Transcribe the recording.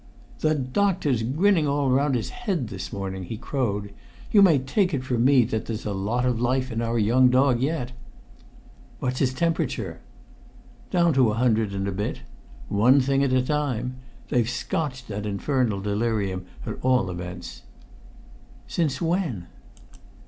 "The doctor's grinning all round his head this morning!" he crowed. "You may take it from me that there's a lot of life in our young dog yet." "What's his temperature?" "Down to a hundred and a bit. One thing at a time. They've scotched that infernal delirium, at all events." "Since when?"